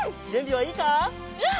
うん！